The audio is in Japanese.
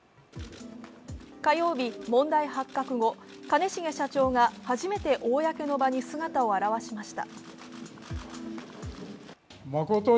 火曜日、問題発覚後兼重社長が初めて公の場に姿を現しました。